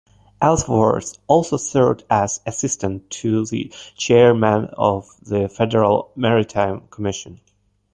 Ellsworth also served as assistant to the chairman of the Federal Maritime Commission.